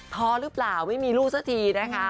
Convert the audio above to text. ท้อหรือเปล่าไม่มีลูกสักทีนะคะ